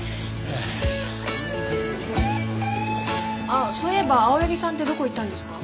ああそういえば青柳さんってどこ行ったんですか？